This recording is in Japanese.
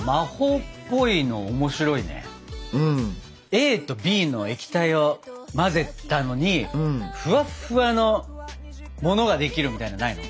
ＡとＢの液体を混ぜたのにふわっふわのものができるみたいなのないの？